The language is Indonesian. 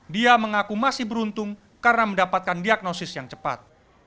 dia mengaku masih beruntung karena mendapatkan diagnosis yang cepat